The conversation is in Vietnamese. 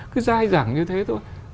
cứ dai dẳng như thế thôi